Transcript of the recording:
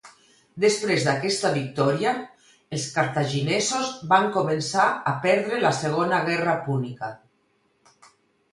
Després d'aquesta victòria, els cartaginesos van començar a perdre la Segona Guerra Púnica.